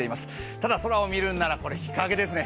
ただ空を見るなら日陰ですね。